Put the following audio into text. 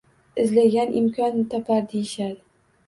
Izlagan imkon topar deyishadi.